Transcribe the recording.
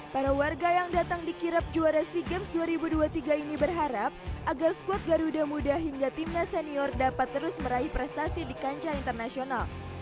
para warga yang datang dikirap juara sea games dua ribu dua puluh tiga ini berharap agar skuad garuda muda hingga timnas senior dapat terus meraih prestasi di kancah internasional